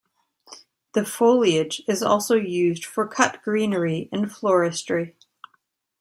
The foliage is also used for cut greenery in floristry.